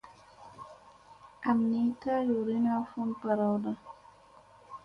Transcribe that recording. Aŋ ni taara yoorina ha fun barawda.